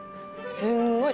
すんごい